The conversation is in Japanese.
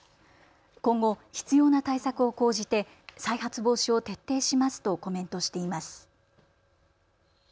今後、必要な対策を講じて再発防止を徹底しますとコメントしています。